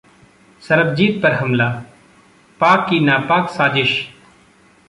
सरबजीत पर हमला पाक की 'नापाक' साजिश!